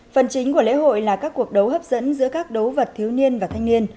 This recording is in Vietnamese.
phần chính của lễ hội là các cuộc đấu hấp dẫn giữa các đấu vật thiếu niên và thanh niên